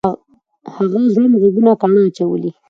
هغه ځوړند غوږونه کاڼه اچولي